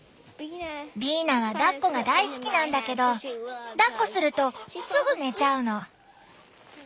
ビーナはだっこが大好きなんだけどだっこするとすぐ寝ちゃうの。